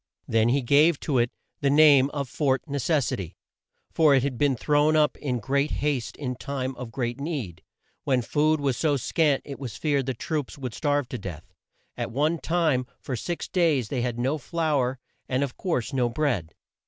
Then he gave to it the name of Fort Ne ces si ty, for it had been thrown up in great haste in time of great need, when food was so scant it was feared the troops would starve to death. At one time, for six days they had no flour, and, of course, no bread.